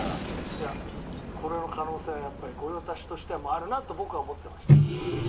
いやこれの可能性はやっぱり御用達としてはあるなと僕は思ってました。